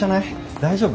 大丈夫？